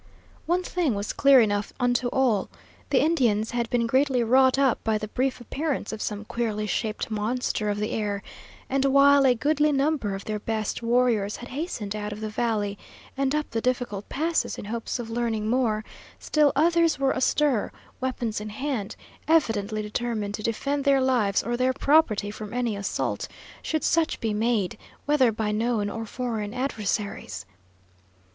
One thing was clear enough unto all: the Indians had been greatly wrought up by the brief appearance of some queerly shaped monster of the air, and while a goodly number of their best warriors had hastened out of the valley and up the difficult passes, in hopes of learning more, still others were astir, weapons in hand, evidently determined to defend their lives or their property from any assault, should such be made, whether by known or foreign adversaries.